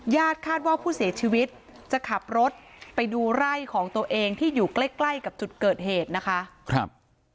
คาดว่าผู้เสียชีวิตจะขับรถไปดูไร่ของตัวเองที่อยู่ใกล้ใกล้กับจุดเกิดเหตุนะคะครับ